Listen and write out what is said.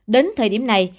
đến thời điểm này